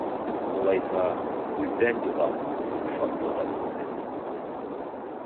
Улайһа, күҙҙән юғал, шатлығым минең!